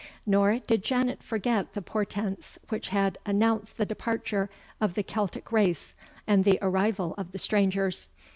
Nor did Janet forget the portents which had announced the departure of the Celtic race, and the arrival of the strangers.